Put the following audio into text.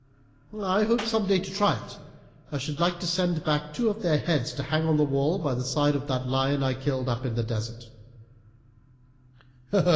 I hope some day to try it. I should like to send back two of their heads to hang on the wall by the side of that of the lion I killed up in the desert."